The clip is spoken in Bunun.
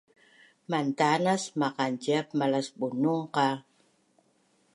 Mantanas maqanciap malasBunun qah